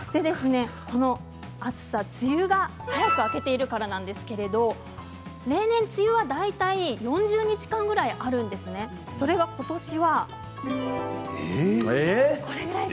この暑さ、梅雨が早く明けているからなんですけど例年、梅雨は大体４０日間ぐらいあるんですがそれがことしは短い！